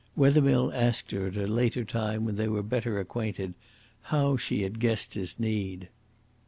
Wethermill asked her at a later time when they were better acquainted how she had guessed his need.